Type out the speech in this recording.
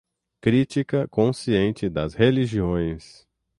crítica consciente das religiões